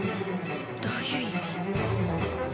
どういう意味？